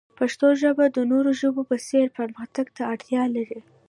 پښتو ژبه د نورو ژبو په څیر پرمختګ ته اړتیا لري.